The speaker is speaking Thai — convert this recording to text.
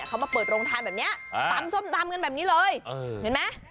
เขามาเปิดโรงทางแบบนี้ทำเงินแบบนี้เลยเห็นไหม